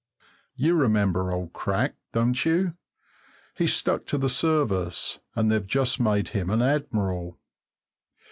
You remember old Crack, don't you? He stuck to the Service, and they've just made him an admiral.